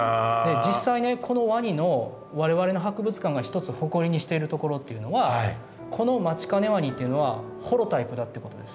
実際ねこのワニの我々の博物館が一つ誇りにしているところっていうのはこのマチカネワニというのはホロタイプだっていうことです。